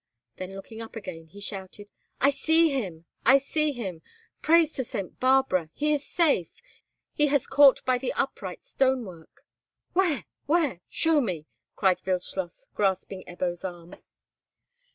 Then looking up again he shouted, "I see him! I see him! Praise to St. Barbara! He is safe! He has caught by the upright stone work." "Where? where? Show me!" cried Wildschloss, grasping Ebbo's arm.